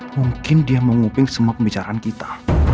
mungkin dia menguping semua pembicaraan kita